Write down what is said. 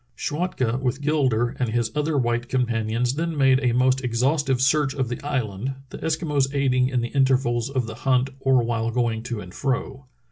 Schwatka with Gilder and his other white companions then made a most exhaustive search of the island, the Eskimos aiding in the intervals of the hunt or while going to and fro.